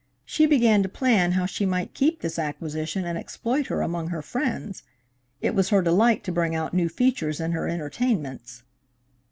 She began to plan how she might keep this acquisition and exploit her among her friends. It was her delight to bring out new features in her entertainments.